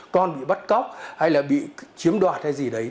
con bị bắt cóc hay là bị chiếm đoạt hay gì đấy